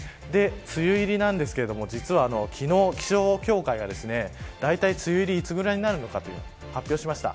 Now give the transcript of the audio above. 梅雨入りなんですけれども、実は昨日、気象協会がだいたい梅雨入りいつぐらいになるのか発表しました。